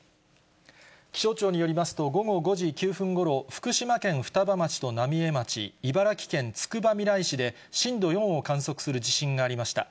気象庁によりますと、午後５時９分ごろ、福島県双葉町と浪江町、茨城県つくばみらい市で、震度４を観測する地震がありました。